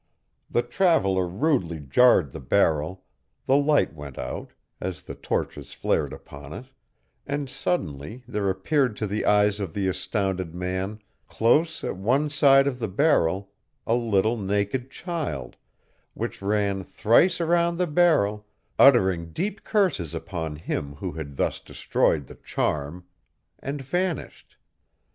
The traveller rudely jarred the barrel, the light went out, as the torches flared upon it; and suddenly there appeared to the eyes of the astounded man, close at one side of the barrel, a little naked child, which ran thrice around the barrel, uttering deep curses upon him who had thus destroyed the charm, and vanished.